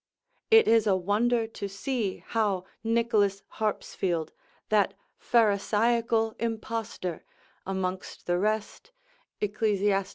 It is a wonder to see how Nic. Harpsfield, that Pharisaical impostor, amongst the rest, Ecclesiast.